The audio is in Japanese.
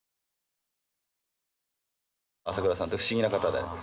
朝倉さんって不思議な方で。